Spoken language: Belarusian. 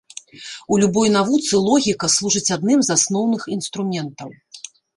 У любой навуцы логіка служыць адным з асноўных інструментаў.